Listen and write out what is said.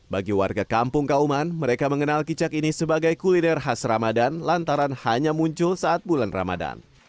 bagi warga kampung kauman mereka mengenal kicak ini sebagai kuliner khas ramadan lantaran hanya muncul saat bulan ramadan